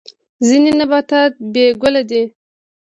ځینې نباتات بې ګله دي